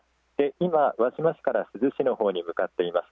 今、輪島市から珠洲市のほうに向かっています。